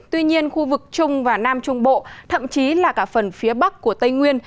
tuy nhiên khu vực trung và nam trung bộ thậm chí là cả phần phía bắc của tây nguyên